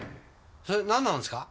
それ何なんですか？